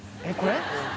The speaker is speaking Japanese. これ？